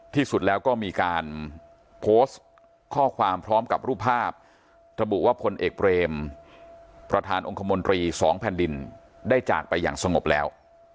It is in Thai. ที่สุดแล้วก็มีการโพสต์ข้อความพร้อมกับรูปภาพระบุว่าพลเอกเบรมประธานองค์คมนตรีสองแผ่นดินได้จากไปอย่างสงบแล้ว